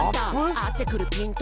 「合ってくるピント」